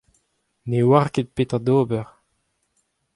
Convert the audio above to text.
ne oar ket petra d'ober.